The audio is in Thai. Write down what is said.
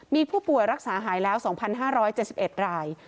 มีผู้ป่วยรักษาหายแล้ว๒๕๗๑ราย